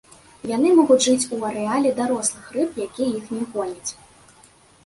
Яны могуць жыць у арэале дарослых рыб, якія іх не гоняць.